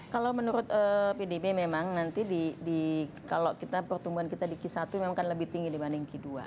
kalau menurut pdb memang nanti di kalau pertumbuhan kita di kisatu memang lebih tinggi dibanding kisatu